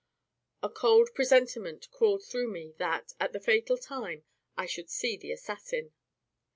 A cold presentiment crawled through me that, at the fatal time, I should see the assassin.